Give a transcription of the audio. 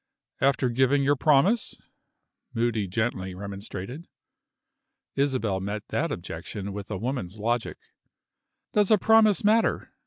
"After giving your promise?" Moody gently remonstrated. Isabel met that objection with a woman's logic. "Does a promise matter?"